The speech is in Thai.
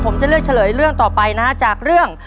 ผมจะเลือกเฉลยเรื่องต่อไปนะฮะจากเรื่อง